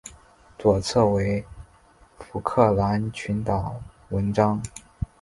右侧为福克兰群岛纹章。